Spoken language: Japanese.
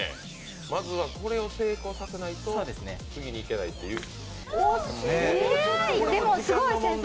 まずはこれを成功させないと次にいけないという。